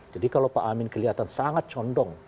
jadi kalau pak amin kelihatan sangat condong